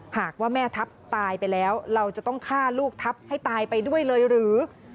หากว่าแม่ทัพตายไปแล้วเราจะต้องฆ่าลูกทัพให้ตายไปด้วยเลยหรือ